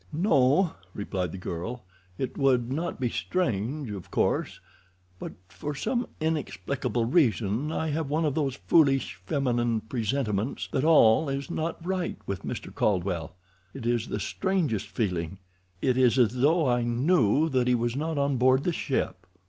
"No," replied the girl, "it would not be strange, of course; but for some inexplicable reason I have one of those foolish feminine presentiments that all is not right with Mr. Caldwell. It is the strangest feeling—it is as though I knew that he was not on board the ship."